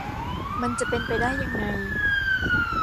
มันจะเป็นไปได้ยังไง